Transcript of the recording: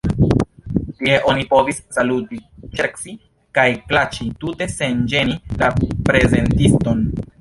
Tie oni povis saluti, ŝerci kaj klaĉi tute sen ĝeni la prezentiston.